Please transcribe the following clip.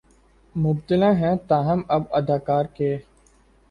مبتلا ہیں تاہم اب اداکار کے